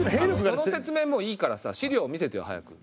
その説明もういいからさ資料見せてよ早く。